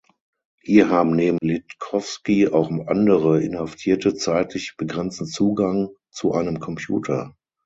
Hier haben neben Littkovski auch andere Inhaftierte zeitlich begrenzten Zugang zu einem Computer.